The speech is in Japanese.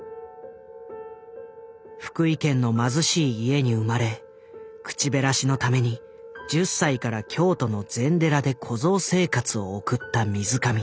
福井県の貧しい家に生まれ口減らしのために１０歳から京都の禅寺で小僧生活を送った水上。